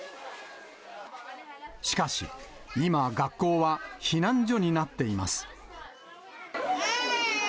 しかし、今、学校は、避難所になっています。